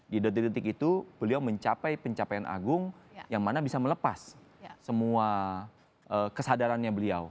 di detik detik itu beliau mencapai pencapaian agung yang mana bisa melepas semua kesadarannya beliau